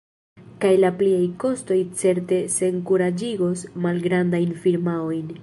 Kaj la pliaj kostoj certe senkuraĝigos malgrandajn firmaojn.